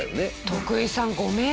徳井さんご名答。